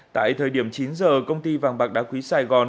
tại thời điểm chín giờ công ty vàng bạc đá quý sài gòn